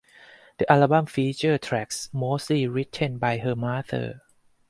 The album featured tracks mostly written by her mother.